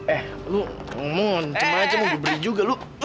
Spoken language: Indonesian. eh lo ngomong cuman aja mau diberi juga lo